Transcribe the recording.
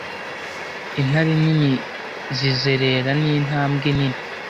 intare nini zizerera nintambwe nini